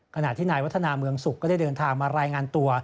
ขณะที่นายวัฒนาเมืองสุขก็ได้เดินทางมารายงานตัว